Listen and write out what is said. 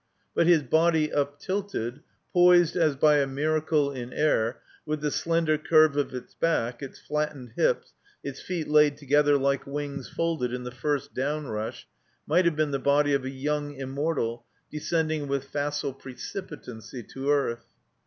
But his body, uptilted, poised as by a miracle in air, with the slender curve of its back, its flattened hips, its feet laid together like wings folded in the first downrush, might have been the body of a young immortal descending with facile precipitancy to earth.